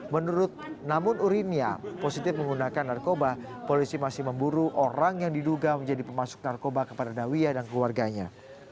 menurut namun urinia positif menggunakan narkoba polisi masih memburu orang yang diduga menjadi pemasuk narkoba kepada dawiya dan keluarganya